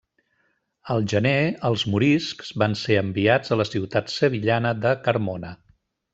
Al gener els moriscs van ser enviats a la ciutat sevillana de Carmona.